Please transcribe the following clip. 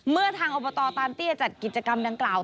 เมื่อทางอบตตานเตี้ยจัดกิจกรรมดังกล่าว